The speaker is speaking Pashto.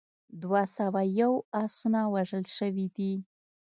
دوه سوه یو اسونه وژل شوي دي.